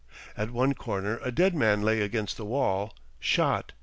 At one corner a dead man lay against the wall shot.